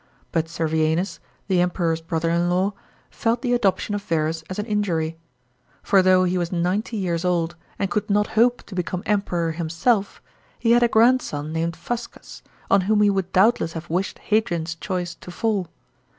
But Servianus, the Emperor's brother in law, felt the adoption of Verus as an injury. For though he was ninety years old, and could not hope to become Emperor himself, he had a grandson named Fuscus, on whom he would doubtless have wished Hadrian's choice to fall.